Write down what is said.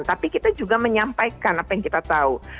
tapi kita juga menyampaikan apa yang kita tahu